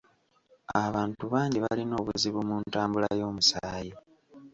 Abantu bangi balina obuzibu mu ntambula y'omusaayi.